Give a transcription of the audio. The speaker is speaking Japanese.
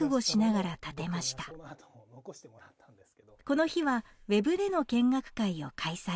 この日はＷｅｂでの見学会を開催。